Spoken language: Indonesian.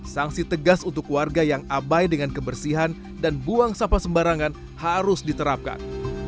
sanksi tegas untuk warga yang abai dengan kebersihan dan buang sampah sembarangan harus diterapkan